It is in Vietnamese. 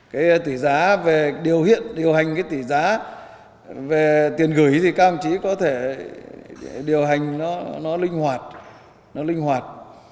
cái tỷ giá về điều hiện điều hành cái tỷ giá về tiền gửi thì các ông chí có thể điều hành nó linh hoạt nó linh hoạt